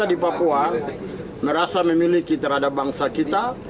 kita di papua merasa memiliki terhadap bangsa kita